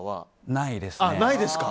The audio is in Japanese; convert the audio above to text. ないですね。